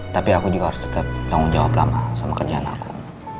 tapi aku juga harus tetap tanggung jawab lama sama kerjaan aku